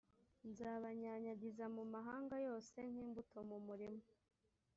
nzabanyanyagiza mu mahanga yose nk’imbuto mu murima